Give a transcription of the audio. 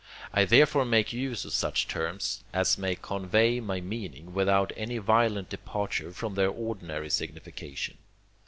I therefore make use of such terms, as may convey my meaning without any violent departure from their ordinary signification.